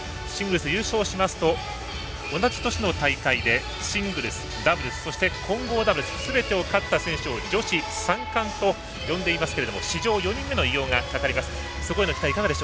シングルス、優勝しますと同じ年の大会でシングルス、ダブルス混合ダブルスを勝った選手を女子３冠と呼んでいますが史上４人目の達成がかかります。